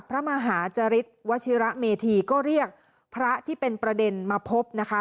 พระมหาจริตวัชิระเมธีก็เรียกพระที่เป็นประเด็นมาพบนะคะ